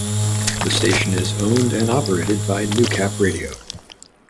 The station is owned and operated by Newcap Radio.